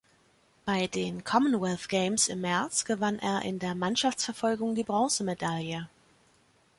Bei den Commonwealth Games im März gewann er in der Mannschaftsverfolgung die Bronzemedaille.